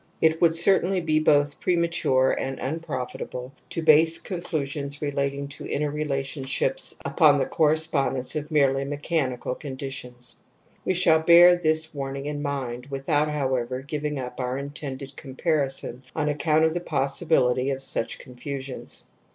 It would certainly be both premature and improfitable to base conclusions relating to ' inner relationships upon the correspondence of merely mechanical conditions. We shall bear ,'•' THE AMBIVALENCE OF EMOTIONS 45 r this warning in mind without, however, giving up our intended comparison on account of the possibility of such confusions.